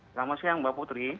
selamat siang mbak putri